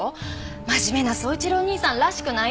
真面目な宗一郎兄さんらしくないわ。